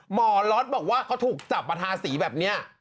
หมอล็อตบอกว่าเขาถูกจับมาทาสีแบบนี้